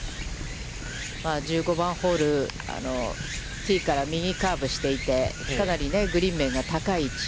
１５番ホール、ティーから右カーブしていて、かなりグリーン面が高い位置。